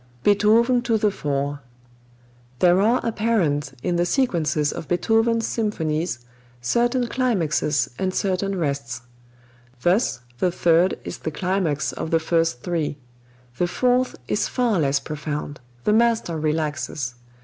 Beethoven to the Fore. There are apparent in the sequences of Beethoven's symphonies certain climaxes and certain rests. Thus the Third is the climax of the first three. The Fourth is far less profound; the master relaxes.